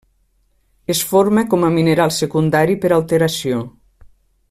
Es forma com a mineral secundari per alteració.